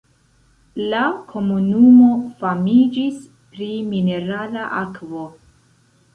La komunumo famiĝis pri minerala akvo.